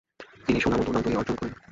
তিনি সুনাম ও দুর্নাম দুই-ই অর্জন করেন।